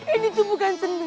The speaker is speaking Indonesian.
ini tuh bukan seneng